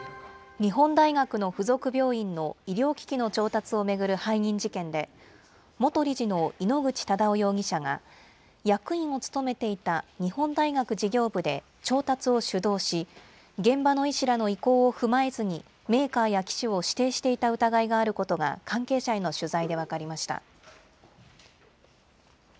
日本大学の付属病院の医療機器の調達を巡る背任事件で、元理事の井ノ口忠男容疑者が、役員を務めていた日本大学事業部で調達を主導し、現場の医師らの意向を踏まえずに、メーカーや機種を指定していた疑いがあることが、関係者への取材で分かりました。